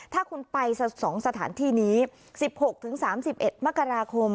ถ้าคุณไป๒สถานที่นี้๑๖๓๑มกราคม